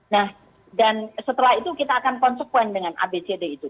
nah dan setelah itu kita akan konsekuen dengan abcd itu